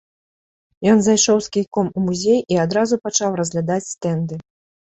Ён зайшоў з кійком у музей і адразу пачаў разглядаць стэнды.